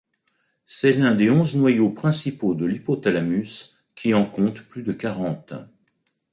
C'est l'un des onze noyaux principaux de l'hypothalamus, qui en compte plus de quarante.